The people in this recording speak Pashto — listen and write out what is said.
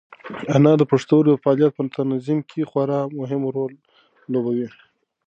انار د پښتورګو د فعالیت په تنظیم کې خورا مهم رول لوبوي.